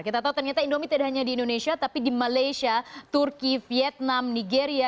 kita tahu ternyata indomie tidak hanya di indonesia tapi di malaysia turki vietnam nigeria